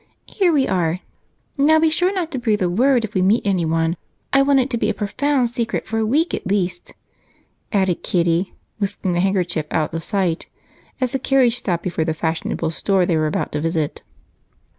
Here we are now, be sure not to breathe a word if we meet anyone. I want it to be a profound secret for a week at least," added Kitty, whisking her handkerchief out of sight as the carriage stopped before the fashionable store they were about to visit.